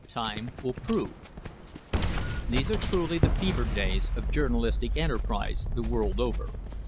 "TIME WILL PROVE." These are truly the fevered days of journalistic enterprise the world over.